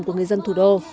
của người dân thủ đô